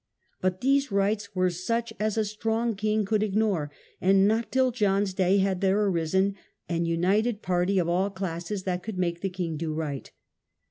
But these rights were such as a strong king could ignore, and not till John's day had there arisen an united party of all classes that could make the king do right.